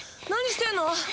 何してんの？